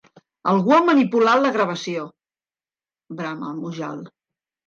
Algú ha manipulat la gravació! —brama el Mujal.